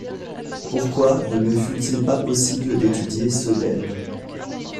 Pourquoi ne me fut-il pas possible d’étudier Sedaine ?